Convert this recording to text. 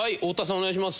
お願いします。